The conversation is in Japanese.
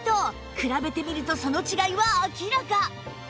比べてみるとその違いは明らか